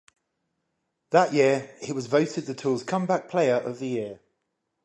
That year he was voted the Tour's comeback player of the year.